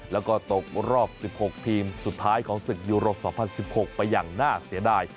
แล้วก็ตกรอบ๑๖ทีมสุดท้ายของศึกยูโร๒๐๑๖ไปอย่างน่าเสียดาย